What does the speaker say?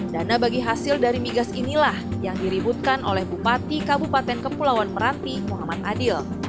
dana bagi hasil dari migas inilah yang diributkan oleh bupati kabupaten kepulauan meranti muhammad adil